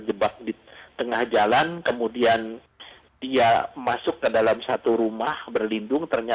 beberapa yg di diem duy dan di jahara juga